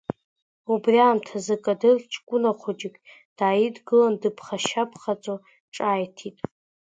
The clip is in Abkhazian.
Убри аамҭазы Кадыр ҷкәына хәыҷык дааидгылан, дыԥхашьа-ԥхаҵо ҿааиҭит…